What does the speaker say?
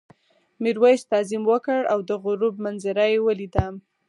میرويس تعظیم وکړ او د غروب منظره یې ولیده.